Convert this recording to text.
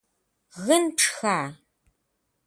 Гын пшха?!